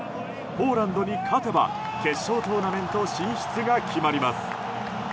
ポーランドに勝てば決勝トーナメント進出が決まります。